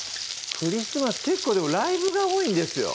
クリスマス結構ライブが多いんですよ